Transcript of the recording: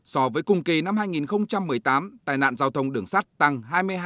so với cùng kỳ năm hai nghìn một mươi tám tai nạn giao thông đường sắt tăng hai mươi hai